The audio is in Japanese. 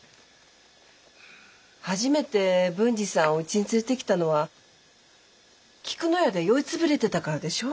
初めて文治さんをうちに連れてきたのは菊乃屋で酔いつぶれてたからでしょ？